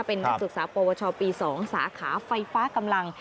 เป็นนักศึกษาปวชปี๒สาขาไฟฟ้ากำลัง